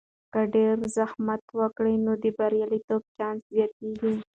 که ډیر زحمت وکړو، نو د بریالیتوب چانس زیاتیږي.